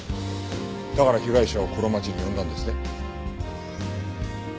だから被害者をこの町に呼んだんですね？